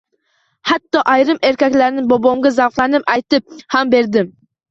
Hatto ayrim ertaklarni bobomga zavqlanib aytib ham berdim